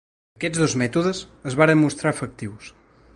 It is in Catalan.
Aquests dos mètodes es varen mostrar efectius.